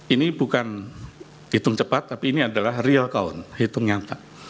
ini bukan hitung cepat tapi ini adalah real count hitung nyata